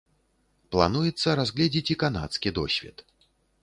Плануецца разгледзець і канадскі досвед.